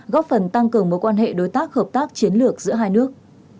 góp phần tăng cường mối quan hệ đối tác hợp tác chiến lược giữa hai nước